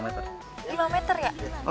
lima meter ya